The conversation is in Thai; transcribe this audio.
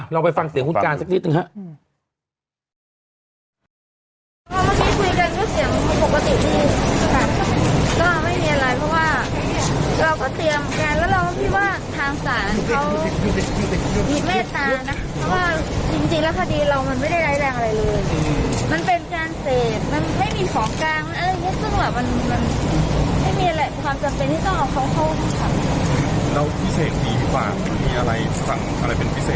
เราไปฟังเสียงคุณการสักนิดนึงครับ